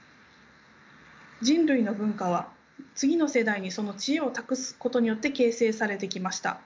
人類の文化は次の世代にその知恵を託すことによって形成されてきました。